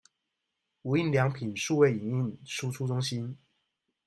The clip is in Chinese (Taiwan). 無印良品數位影印輸出中心